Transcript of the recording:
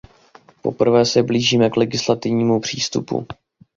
Poprvé se blížíme k legislativnímu přístupu.